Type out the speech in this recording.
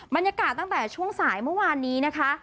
บรรยากาศตั้งแต่ช่วงสายเมื่อวานนี้นะคะ